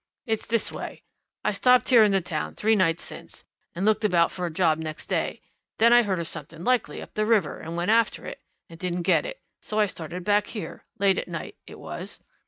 It's this way I stopped here in the town three nights since, and looked about for a job next day, and then I heard of something likely up the river and went after it and didn't get it, so I started back here late at night it was.